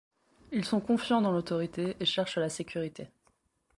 Ils sont confiants dans l'autorité et cherchent la sécurité.